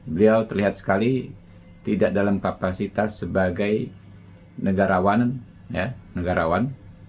beliau terlihat sekali tidak dalam kapasitas sebagai negarawan negarawan